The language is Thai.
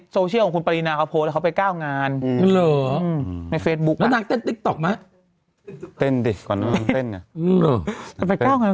โซเชียลของคุณปรีนาเขาโพสต์เขาไปก้าวงานเหลือในเฟซบุ๊กกระโดดออกมา